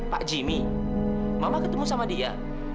pak jimmy mama ketemu sama dia